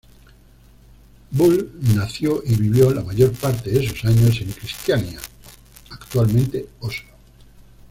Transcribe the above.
Bull nació y vivió la mayor parte de sus años en Kristiania, actualmente Oslo.